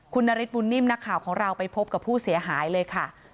คุณนฤทธบุญนิ่มนักข่าวของเราไปพบกับผู้เสียหายเลยค่ะ